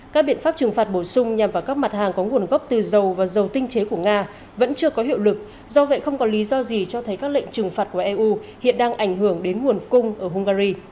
các biện pháp trừng phạt bổ sung nhằm vào các mặt hàng có nguồn gốc từ dầu và dầu tinh chế của nga vẫn chưa có hiệu lực do vậy không có lý do gì cho thấy các lệnh trừng phạt của eu hiện đang ảnh hưởng đến nguồn cung ở hungary